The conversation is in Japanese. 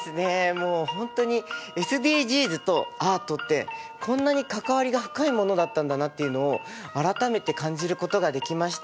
もう本当にＳＤＧｓとアートってこんなに関わりが深いものだったんだなっていうのを改めて感じることができました。